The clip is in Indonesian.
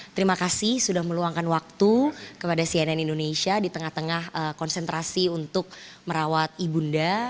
terima kasih sudah meluangkan waktu kepada cnn indonesia di tengah tengah konsentrasi untuk merawat ibunda